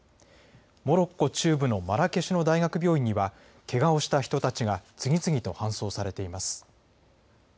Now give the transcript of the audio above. モロッコ中部のマラケシュの大学病院にはけがをした人たちが次々と搬送されています。